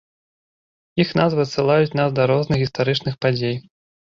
Іх назвы адсылаюць нас да розных гістарычных падзей.